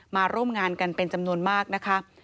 มาร่วมงานกันเป็นจำนวนมากนะคะ